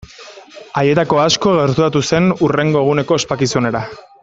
Haietako asko gerturatu zen hurrengo eguneko ospakizunera.